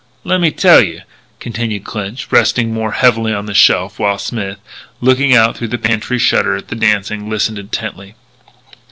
"Lemme tell you," continued Clinch, resting more heavily on the shelf while Smith, looking out through the pantry shutter at the dancing, listened intently.